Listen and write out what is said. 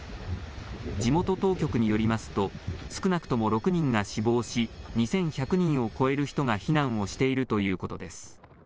地元当局によりますと少なくとも６人が死亡し２１００人を超える人が避難をしているということです。